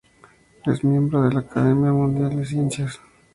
Es miembro de la Academia Mundial de Ciencias.